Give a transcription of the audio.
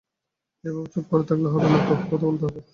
এইভাবে চুপ করে থাকলে হবে না, কথা বলতে হবে।